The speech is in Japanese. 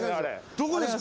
どこですか？